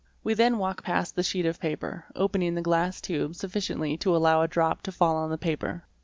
We then walk past the sheet of paper, opening the glass tube sufficiently to allow a drop to fall on the paper.